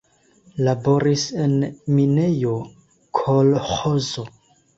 Laboris en minejo, kolĥozo.